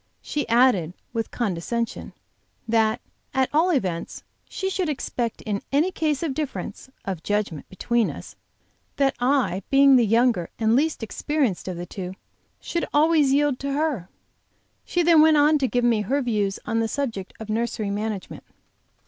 She added, with condescension, that at all events she should expect in any case of difference (of judgment) between us, that I, being the younger and least experienced of the two, should always yield to her. She then went on to give me her views on the subject of nursery management.